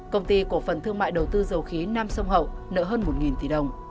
công ty cổ phần thương mại đầu tư dầu khí nam sông hậu nợ hơn một tỷ đồng